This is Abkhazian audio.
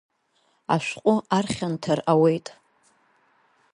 Ашәҟәы архьанҭар ауеит.